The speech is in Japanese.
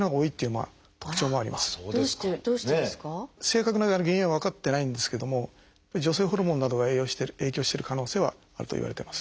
正確な原因は分かってないんですけども女性ホルモンなどが影響してる可能性はあるといわれてます。